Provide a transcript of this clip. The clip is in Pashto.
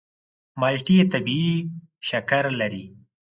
مالټې طبیعي شکر لري.